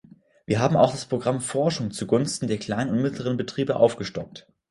Wir haben auch das Programm Forschung zugunsten der kleinen und mittleren Beitriebe aufgestockt.